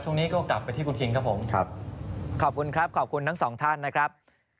ช่วงนี้ก็กลับไปที่คุณคิงครับผมครับขอบคุณครับขอบคุณทั้งสองท่านนะครับ